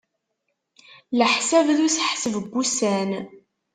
Leḥsab d useḥseb n wussan.